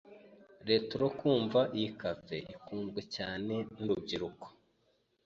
Retro kumva iyi cafe ikunzwe cyane nurubyiruko.